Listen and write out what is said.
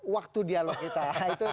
waktu dialog kita